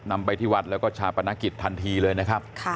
นำไปที่วัดแล้วก็ชาปนกิจทันทีเลยนะครับ